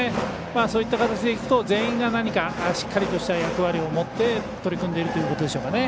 そういった形でいくと全員がしっかり役割を持って取り組んでいるということでしょうかね。